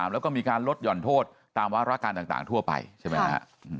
แล้วก็มีการลดหย่อนโทษตามวารการต่างทั่วไปใช่ไหมฮะ